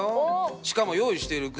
しかも用意してるグぅ！